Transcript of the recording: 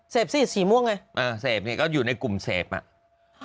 เสพสิสีม่วงอ่ะเสพก็อยู่ในกลุ่มเสพนี่